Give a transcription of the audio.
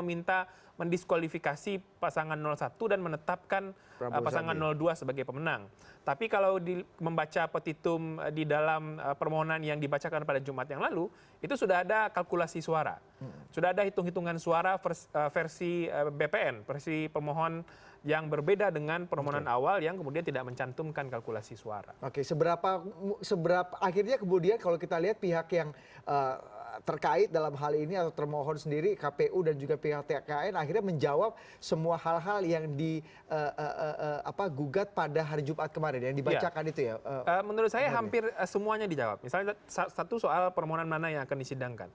misalnya satu soal permohonan mana yang akan disidangkan